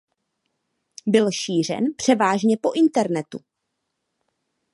Byl šířen převážně po internetu.